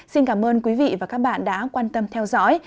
xin cảm ơn quý vị và các bạn đã quan tâm theo dõi